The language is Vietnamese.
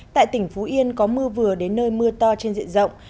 tại tỉnh phú yên có mưa vừa đến nơi mưa to trên diện rộng